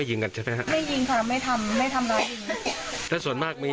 เออมีค่ะแต่ก็จะเป็นพวกกะโลกกะแตพวกหมูปลา